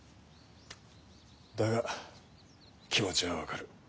だが気持ちは分かる。